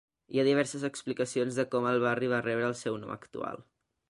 Hi ha diverses explicacions de com el barri va rebre el seu nom actual.